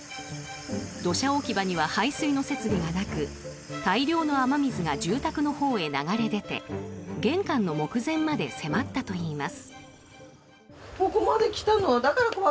土砂置き場には排水の設備がなく大量の雨水が住宅のほうへ流れ出て玄関の目前まで迫ったといいます。